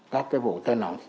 các vụ thơ nọc